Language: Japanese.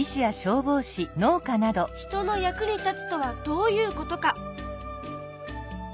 「人の役に立つとはどういうことか？」。